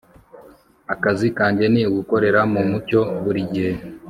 akazi kanjye ni ugukorera mu mucyo buri gihe